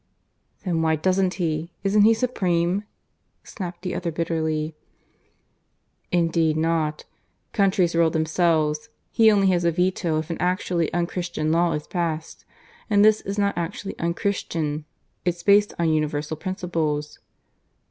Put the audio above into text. "Then why doesn't he? Isn't he supreme?" snapped the other bitterly. "Indeed not. Countries rule themselves. He only has a veto if an actually unchristian law is passed. And this is not actually unchristian. It's based on universal principles."